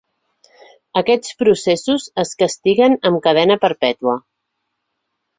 Aquests processos es castiguen amb cadena perpètua.